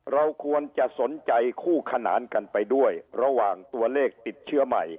เราควรจะสนใจคู่ขนานกันไปด้วยระหว่างตัวเลขติดเชื้อใหม่